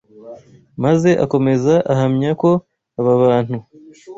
Maze akomeza ahamya ko aba bantu